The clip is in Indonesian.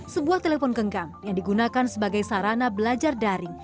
sebuah telepon genggam yang digunakan sebagai sarana belajar daring